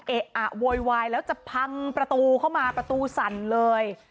อะโวยวายแล้วจะพังประตูเข้ามาประตูสั่นเลย